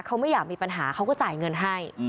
เขาไม่อยากมีปัญหาเขาก็จ่ายเงินให้